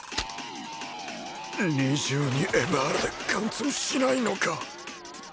２２ＬＲで貫通しないのか